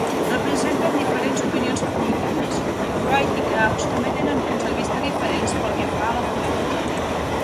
Representen diferents opinions polítiques i Wright i Kaus també tenen punts de vista diferents pel que fa a la política.